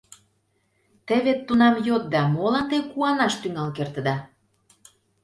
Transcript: Те вет тунам йодда, молан те куанаш тӱҥал кертыда?..